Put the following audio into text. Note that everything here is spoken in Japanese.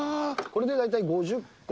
これで大体５０個？